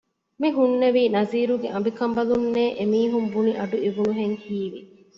މިހުންނެވީ ނަޒީރުގެ އަނބިކަންބަލުންނޭ އެމީހުން ބުނި އަޑު އިވުނުހެން ހީވި